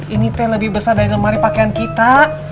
ini teh lebih besar dari lemari pakaian kita